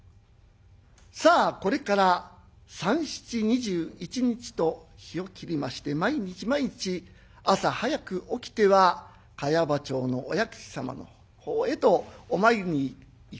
さあこれから三七二十一日と日を切りまして毎日毎日朝早く起きては茅場町のお薬師様の方へとお参りに行く。